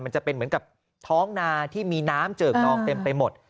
มันจะเป็นเหมือนกับท้องนาที่มีน้ำเจิกนองเต็มไปหมด